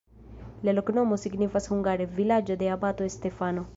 La loknomo signifas hungare: vilaĝo de abato Stefano.